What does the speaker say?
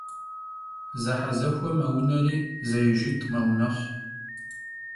Zehezexue meuneri zeijjit' meunexhu.